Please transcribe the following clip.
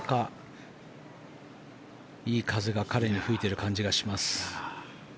いい風が彼に吹いている感じがします。